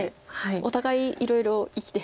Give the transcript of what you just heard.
お互いいろいろ生きてない。